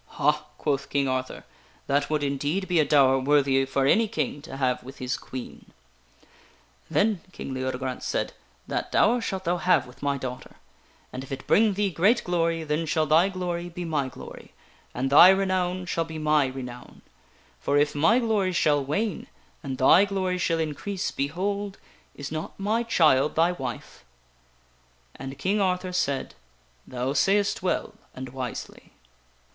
" Ha !" quoth King Arthur. " That would indeed be a dower worthy for any king to have with his queen." King Leode " Then," King Leodegrance said,. " that dower shalt thou grance bestows have with my daughter ; and if it bring thee great glory, the Round Table 4 ..*, j ^.,,/ upon King Ar then shall thy glory be my glory, and thy renown shall be thur. m y renown. For if my glory shall wane, and thy glory shall increase, behold ! is not my child thy wife? " And King Arthur said :" Thou sayest well and wisely."